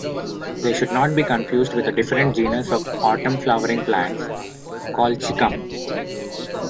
They should not be confused with a different genus of autumn-flowering plants, "Colchicum".